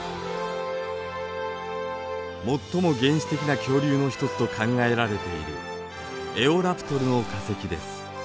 最も原始的な恐竜の一つと考えられているエオラプトルの化石です。